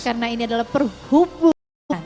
karena ini adalah perhubungan